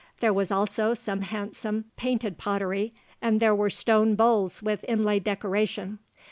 There was also some handsome painted pottery, and there were stone bowls with inlaid decoration.